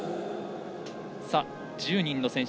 １０人の選手